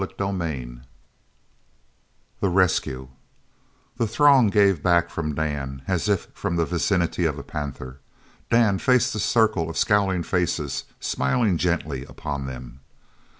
CHAPTER XXIV THE RESCUE The throng gave back from Dan, as if from the vicinity of a panther. Dan faced the circle of scowling faces, smiling gently upon them.